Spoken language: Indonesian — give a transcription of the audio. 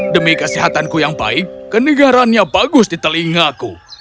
demi kesehatanku yang baik kenegarannya bagus di telingaku